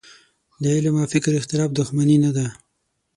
د علم او فکر اختلاف دوښمني نه ده.